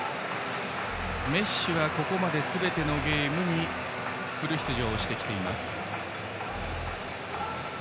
メッシはここまですべてのゲームにフル出場してきています。